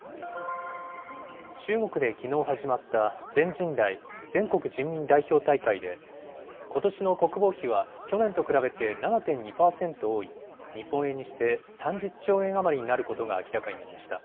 中国できのう始まった全人代・全国人民代表大会で、ことしの国防費は去年と比べて７．２％多い日本円にして３０兆円余りになることが明らかになりました。